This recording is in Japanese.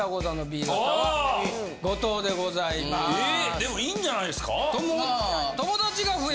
でもいいんじゃないですか？